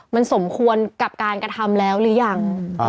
มันสมควรกับการกระทำแล้วหรือยัง